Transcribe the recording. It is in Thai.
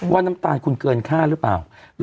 น้ำตาลคุณเกินค่าหรือเปล่า